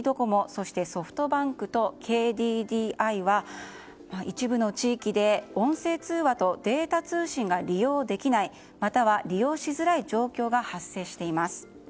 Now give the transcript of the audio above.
そしてソフトバンクとＫＤＤＩは一部の地域で音声通話とデータ通信が利用できないまたは利用しづらい状況が発生しています。